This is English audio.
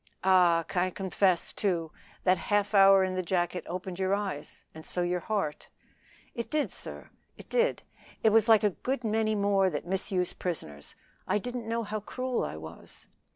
"Ah! confess, too, that half hour in the jacket opened your eyes and so your heart." "It did, sir; it did. I was like a good many more that misuse prisoners. I didn't know how cruel I was."